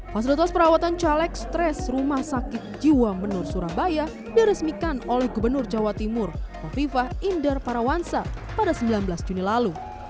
fasilitas perawatan caleg stres rumah sakit jiwa menur surabaya diresmikan oleh gubernur jawa timur kofifah indar parawansa pada sembilan belas juni lalu